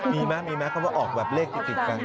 มีมั้ยเขาว่าออกแบบเลขติดกัน